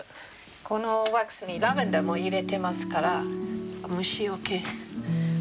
このワックスにラベンダーも入れてますから虫よけにもなるし